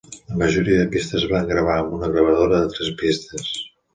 La majoria de pistes es van gravar amb una gravadora de tres pistes.